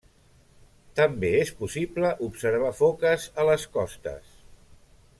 També és possible observar foques a les costes.